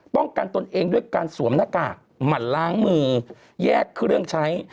ตนเองด้วยการสวมหน้ากากหมั่นล้างมือแยกเครื่องใช้